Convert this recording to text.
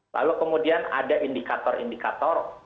lalu kemudian ada indikator indikator